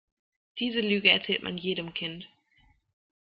Diese Lüge erzählt man jedem Kind.